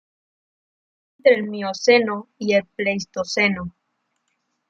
Vivió entre el Mioceno y el Pleistoceno.